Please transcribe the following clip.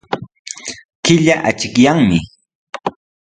Killa achikyanmi.